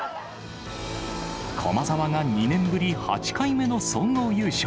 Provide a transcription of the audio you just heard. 駒澤が２年ぶり８回目の総合優勝。